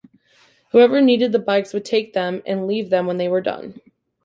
Whoever needed the bikes would take them and leave them when they were done.